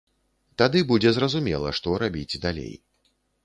Тады будзе зразумела, што рабіць далей.